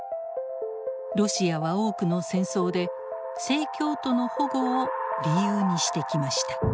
ロシアは多くの戦争で「正教徒の保護」を理由にしてきました。